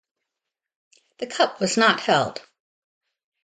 The cup was not held.